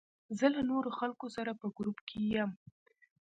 زه له نورو خلکو سره په ګروپ کې یم.